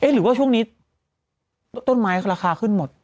หรือว่าช่วงนี้ต้นไม้ราคาขึ้นหมด